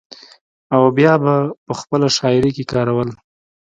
او بيا به پۀ خپله شاعرۍ کښې کارول ۔